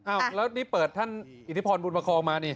อ่าวแล้วอันนี้เปิดท่านอิทธิพรบุญมะครอบมาดิ